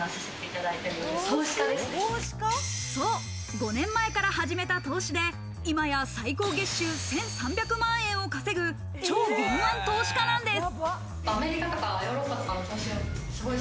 ５年前から始めた投資で今や最高月収１３００万円を稼ぐ超敏腕投資家なんです。